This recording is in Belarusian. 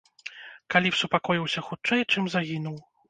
Калі б супакоіўся хутчэй, чым загінуў.